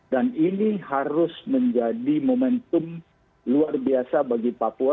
dan ini harus menjadi momentum luar biasa bagi papua